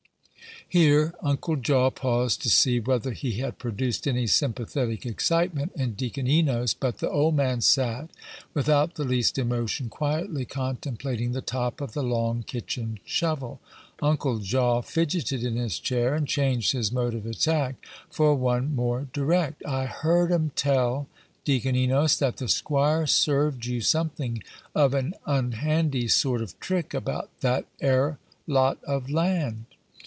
Here Uncle Jaw paused to see whether he had produced any sympathetic excitement in Deacon Enos; but the old man sat without the least emotion, quietly contemplating the top of the long kitchen shovel. Uncle Jaw fidgeted in his chair, and changed his mode of attack for one more direct. "I heard 'em tell, Deacon Enos, that the squire served you something of an unhandy sort of trick about that 'ere lot of land."